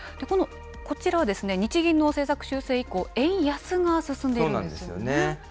こちらは日銀の政策修正以降、円安が進んでいるんですよね。